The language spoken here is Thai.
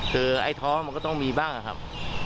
คือไอ้ท้อมันก็ต้องมีบ้างครับ